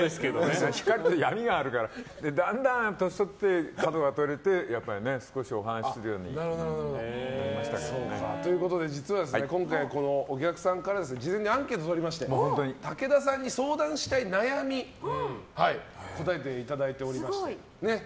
光と闇があるからだんだん年を取って角が取れて少しお話しするように実は、今回お客さんから事前にアンケートをとりまして武田さんに相談したい悩みを答えていただいておりまして。